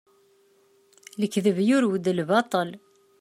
Lekdeb yurew-d lbaṭel.